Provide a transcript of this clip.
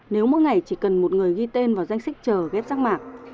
nếu mỗi ngày chỉ cần một người ghi tên vào danh sách chờ ghép rác mạc